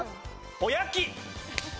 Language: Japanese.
おやき！